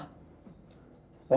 namun baik saya tidak akan semakin parah